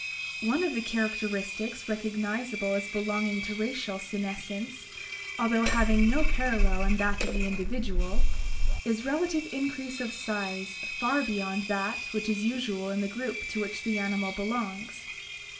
— One of the characteristics recog nizable as belonging to racial senescence, although having no parallel in that of the individual, is relative increase of size far beyond that which is usual in the group to which the animal be longs.